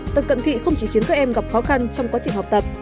tật cận thị không chỉ khiến các em gặp khó khăn trong quá trình học tập